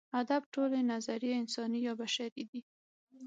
ادب ټولې نظریې انساني یا بشري دي.